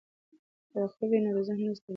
که وقفه وي نو ذهن نه ستړی کیږي.